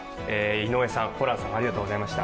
井上さん、ホランさんありがとうございました。